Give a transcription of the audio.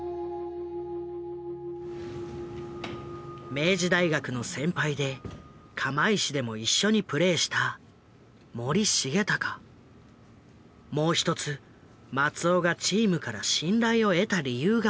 明治大学の先輩で釜石でも一緒にプレーしたもう一つ松尾がチームから信頼を得た理由があったという。